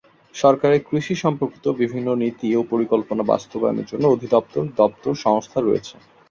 সরকারের কৃষি সম্পর্কিত বিভিন্ন নীতি ও পরিকল্পনা বাস্তবায়নের জন্য অধিদপ্তর/দপ্তর/সংস্থা রয়েছে।